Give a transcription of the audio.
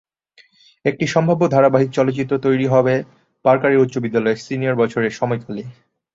একটি সম্ভাব্য ধারাবাহিক চলচ্চিত্র তৈরি হবে পার্কারের উচ্চ বিদ্যালয়ের সিনিয়র বছরের সময়কালে।